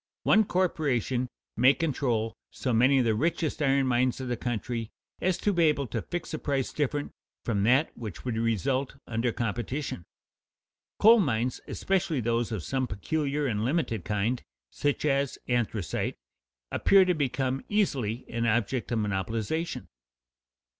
One corporation may control so many of the richest iron mines of the country as to be able to fix a price different from that which would result under competition. Coal mines, especially those of some peculiar and limited kind, such as anthracite, appear to become easily an object of monopolization.